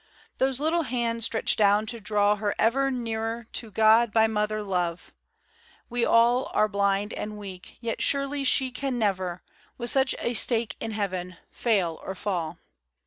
Those little hands stretched down to draw her ever Nearer to God by Mother love : —we all Are blind and weak, yet surely she can never, With such a stake in Heaven, fail or fall.